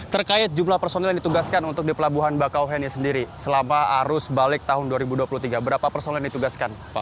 terkait jumlah personil yang ditugaskan untuk di pelabuhan bakauheni sendiri selama arus balik tahun dua ribu dua puluh tiga berapa personel yang ditugaskan